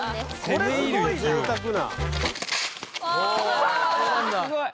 これすごい贅沢な。